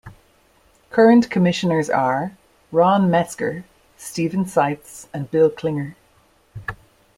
Current commissioners are: Ron Metzger, Steven Seitz and Bill Clinger.